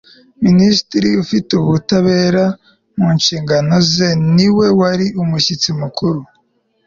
minisitiri ufite ubutabera mu nshingano ze niwe wari umushyitsi mukuru